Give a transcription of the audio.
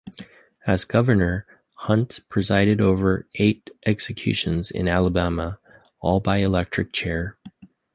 As Governor, Hunt presided over eight executions in Alabama, all by electric chair.